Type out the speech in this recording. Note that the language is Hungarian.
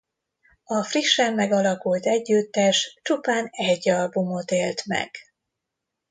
A frissen megalakult együttes csupán egy albumot élt meg.